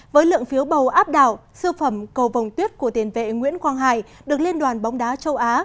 với lượng phiếu bầu áp đảo sư phẩm cầu vòng tuyết của tiền vệ nguyễn quang hải được liên đoàn bóng đá châu á